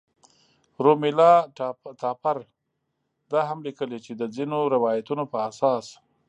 رومیلا تاپړ دا هم لیکلي چې د ځینو روایتونو په اساس.